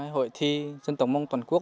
hội thi dân tổng mông toàn quốc